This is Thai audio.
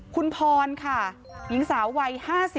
คุณพรค่ะหญิงสาววัย๕๐